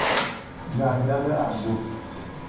جنگل انبوه